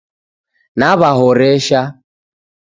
Nawahoresha.